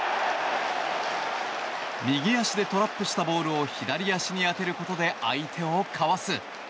右足でトラップしたボールを左足に当てることで相手をかわす。